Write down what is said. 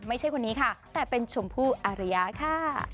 ไม่ใช่คนนี้ค่ะแต่เป็นชมพู่อารยาค่ะ